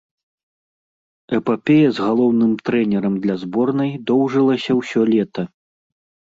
Эпапея з галоўным трэнерам для зборнай доўжылася ўсё лета.